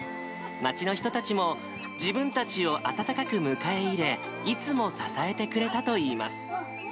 街の人たちも自分たちを温かく迎え入れ、いつも支えてくれたといいます。